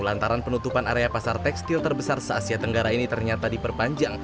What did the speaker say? lantaran penutupan area pasar tekstil terbesar se asia tenggara ini ternyata diperpanjang